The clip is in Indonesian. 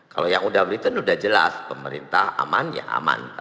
kalau yang unwritten sudah jelas pemerintah aman ya aman